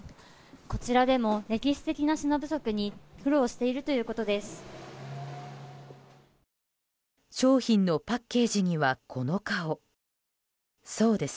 こちらでも歴史的な品不足に苦労しているということです。